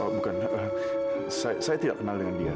bukan saya tidak kenal dengan dia